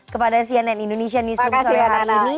kepada cnn indonesia newsroom sore hari ini